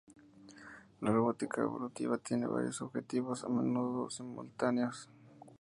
La robótica evolutiva tiene varios objetivos, a menudo simultáneos.